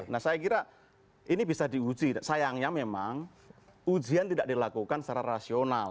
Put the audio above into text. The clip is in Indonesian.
nah saya kira ini bisa diuji sayangnya memang ujian tidak dilakukan secara rasional